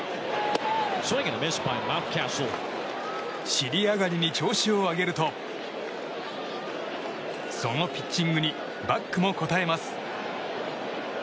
尻上がりに調子を上げるとそのピッチングにバックも応えます。